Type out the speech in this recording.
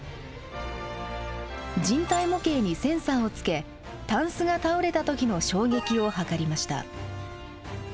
人体模型にセンサーをつけタンスが倒れた時の衝撃を測りました。